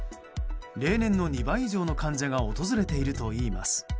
例年の２倍以上の患者が訪れているといいます。